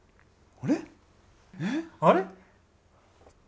あれ？